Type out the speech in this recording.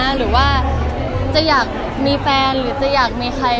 หรือว่าจะอยากมีแฟนหรือจะอยากมีใคร